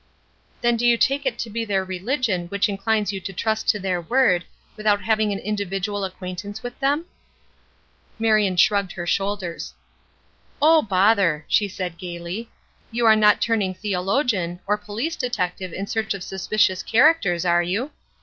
"Then do you take it to be their religion which inclines you to trust to their word, without having an individual acquaintance with them?" Marion shrugged her shoulders. "Oh, bother!" she said, gayly, "you are not turning theologian, or police detective in search of suspicious characters, are you?